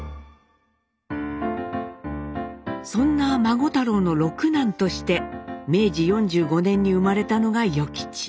そんな孫太郎の六男として明治４５年に生まれたのが与吉。